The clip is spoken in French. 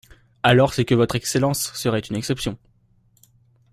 Alors c'est que Votre Excellence serait une exception.